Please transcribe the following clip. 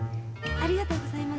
ありがとうございます。